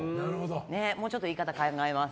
もうちょっと言い方考えます。